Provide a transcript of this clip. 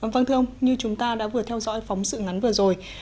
vâng thưa ông như chúng ta đã vừa theo dõi phóng sự ngắn vừa rồi